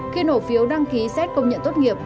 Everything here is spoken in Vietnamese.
ba khi nổ phiếu đăng ký xét công nhận tốt nghiệp